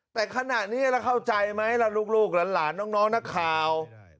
แต่ขนาดนี้แล้วเข้าใจไหมละลูกล้านน้องนักข่าว